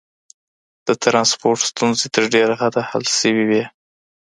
د ترانسپورت ستونزي تر ډيره حده حل سوي وې.